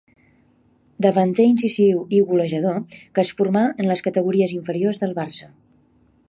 Davanter incisiu i golejador que es formà en les categories inferiors del Barça.